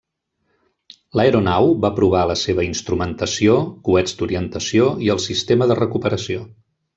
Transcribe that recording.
L'aeronau va provar la seva instrumentació, coets d'orientació i el sistema de recuperació.